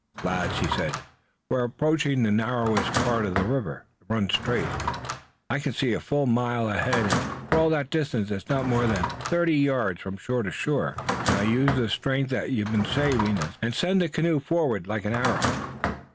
"Lads," he said, "we're approaching the narrowest part of the river. It runs straight, I can see a full mile ahead, and for all that distance it's not more than thirty yards from shore to shore. Now use the strength that you've been saving, and send the canoe forward like an arrow.